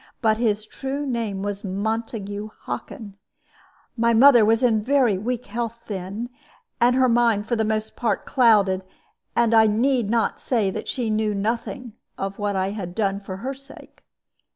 But his true name was Montague Hockin. My mother was in very weak health then, and her mind for the most part clouded; and I need not say that she knew nothing of what I had done for her sake.